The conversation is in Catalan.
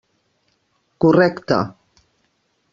Correcte.